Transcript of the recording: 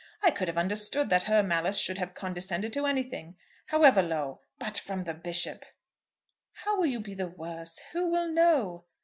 I could have understood that her malice should have condescended to anything, however low. But from the Bishop!" "How will you be the worse? Who will know?"